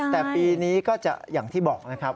แต่ปีนี้ก็จะอย่างที่บอกนะครับ